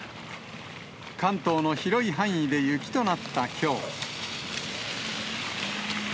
関東の広い範囲で雪となったきょう。